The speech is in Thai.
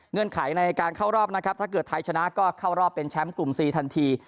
ไขในการเข้ารอบนะครับถ้าเกิดไทยชนะก็เข้ารอบเป็นแชมป์กลุ่ม๔ทันที